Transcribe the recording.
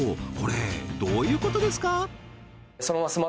これどういうことですか？